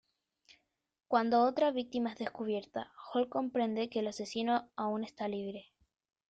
Cuando otra víctima es descubierta, Hole comprende que el asesino aún está libre.